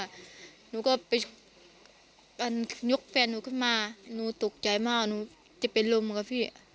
หนูก็ไปยกแฟนหนูขึ้นมาหนูตกใจมากหนูจะเป็นลมค่ะพี่